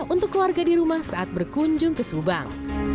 untuk keluarga di rumah saat berkunjung ke subang